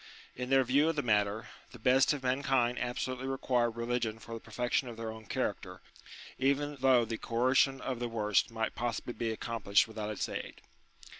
In their view of the matter, the best of mankind absolutely require religion for the perfection of their own character, even though the coercion of the worst might possibly be accomplished without its aid.